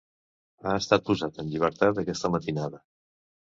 Ha estat posat en llibertat aquesta matinada.